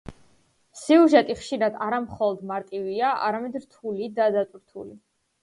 სიუჟეტი ხშირად არა მხოლოდ მარტივია, არამედ რთული და დატვირთული.